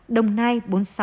đồng nai bốn mươi sáu